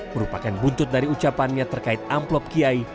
merupakan buntut dari ucapannya terkait amplop kiai